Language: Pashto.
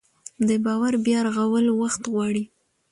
د باور بیا رغول وخت غواړي